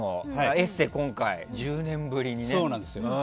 エッセーを今回、１０年ぶりにね。